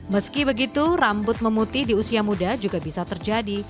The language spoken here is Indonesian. meski begitu rambut memutih di usia muda juga bisa terjadi